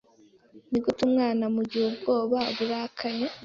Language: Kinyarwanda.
Nigute umwana mugihe ubwoba burakaye